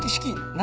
何？